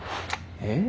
え？